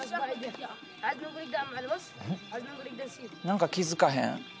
何か気付かへん？